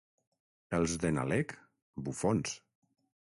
Els de Nalec, bufons.